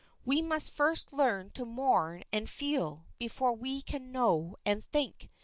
We must first learn to mourn and feel before we can know and think.